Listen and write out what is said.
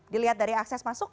dilihat dari akses masuk